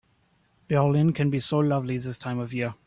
Berlin can be so lovely this time of year.